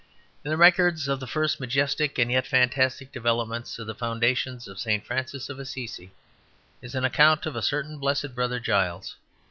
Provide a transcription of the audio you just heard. In the records of the first majestic and yet fantastic developments of the foundation of St. Francis of Assisi is an account of a certain Blessed Brother Giles.